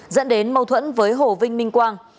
dẫn đến mâu thuẫn với hồ vinh minh quang